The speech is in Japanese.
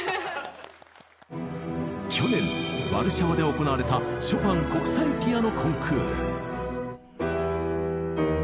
去年ワルシャワで行われたショパン国際ピアノ・コンクール。